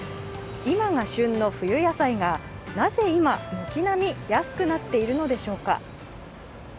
今が旬の冬野菜がなぜ今、軒並み安くなっているのでしょうか？